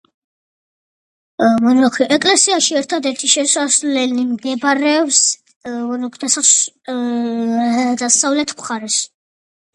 ეკლესიაში ერთადერთი შესასვლელი მდებარეობს დასავლეთ მხარეს.